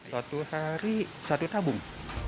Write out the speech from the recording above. suatu hari satu tabung